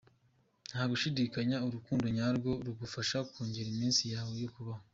Ntagushidikanya, Urukundo nyarwo rugufasha kongera iminsi yawe yo kubaho.